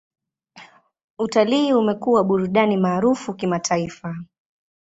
Utalii umekuwa burudani maarufu kimataifa.